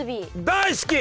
大好き！